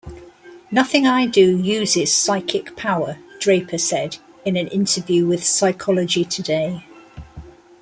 "Nothing I do uses psychic power," Draper said in an interview with Psychology Today.